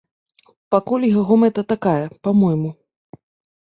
Пакуль яго мэта такая, па-мойму.